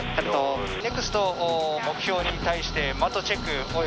ネクスト目標に対してマッドチェック。